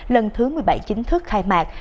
lần thứ một mươi bảy chính thức khai mạc